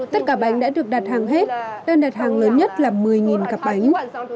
tất cả bánh đã được đặt hàng hết đơn đặt hàng lớn nhất là một mươi cặp bánh